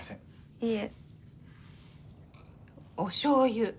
いえ。おしょうゆ。